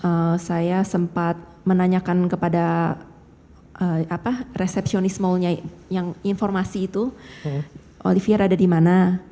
oh saya sempat menanyakan kepada resepsionis mallnya yang informasi itu olivier ada di mana